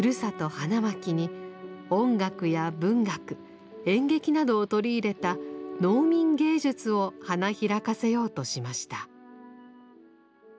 花巻に音楽や文学演劇などを取り入れた「農民芸術」を花開かせようとしました。